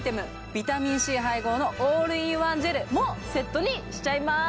ビタミンＣ配合のオールインワンジェルもセットにしちゃいます・